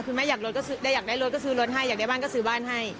คุณแม่อยากได้รถก็ซื้อรถให้อยากได้บ้านก็ซื้อบ้านให้